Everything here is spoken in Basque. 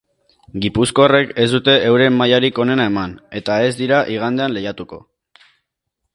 Gipuzkoarrek ez dute euren mailarik onena eman, eta ez dira igandean lehiatuko.